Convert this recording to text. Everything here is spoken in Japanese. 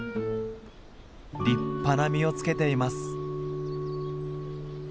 立派な実をつけています。